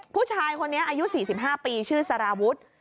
ผู้ชายคนนี้อายุ๔๕ปีชื่อสารวุฒิ